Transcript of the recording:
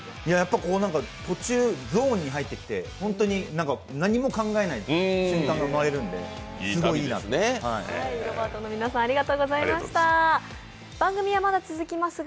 途中ゾーンに入ってきて、ホントに何も考えない瞬間が生まれるんで、すごいいいなって。